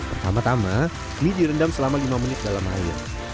pertama tama mie direndam selama lima menit dalam air